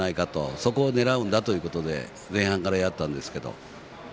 そこを狙うんだということで前半からやったんですけど。